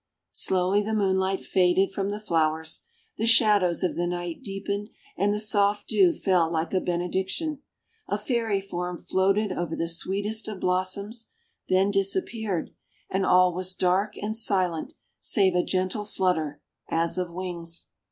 Slowly the moonlight faded from the flowers, the shadows of the night deepened and the soft dew fell like a benediction. A Fairy form floated over the sweetest of blossoms, then disappeared, and all was dark and silent save a gentle flutter, as of wings.